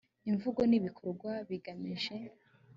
imvugo n ibikorwa bigamije